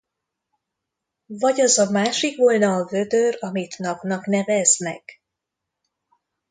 Vagy az a másik volna a vödör, amit napnak neveznek?